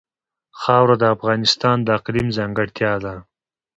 خاوره د افغانستان د اقلیم ځانګړتیا ده.